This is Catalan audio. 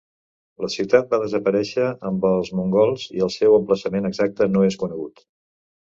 La ciutat va desaparèixer amb els mongols i el seu emplaçament exacte no és conegut.